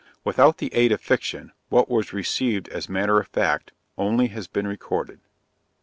Without the aid of fiction, what was received as matter of fact, only has been recorded.